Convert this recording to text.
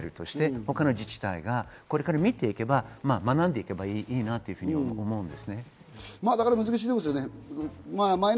一つのモデルとして他の自治体がこれから見ていけば、学んでいけばいいなと思うんです。